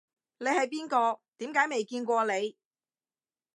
你係邊個？點解未見過你